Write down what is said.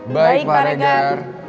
baik pak regar